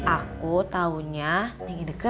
aku taunya neng ineke